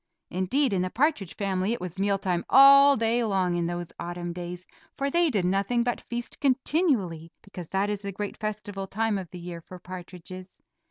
Indeed in the partridge family it was meal time all day long in those autumn days, for they did nothing but feast continually, because that is the great festival time of the year for partridges.